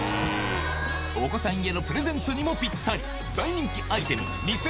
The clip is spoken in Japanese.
お子さんへのプレゼントにもぴったり。